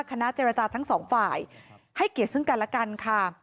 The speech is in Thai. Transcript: คณะเจรจาทั้งสองฝ่ายให้เกียรติซึ่งกันและกันค่ะ